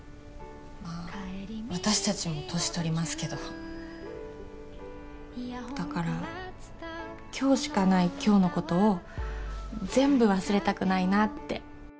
まあ私達も年取りますけどだから今日しかない今日のことを全部忘れたくないなって